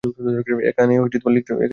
এখানে লিখতে হবে।